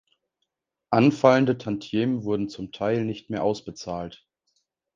Anfallende Tantiemen wurden zum Teil nicht mehr ausbezahlt.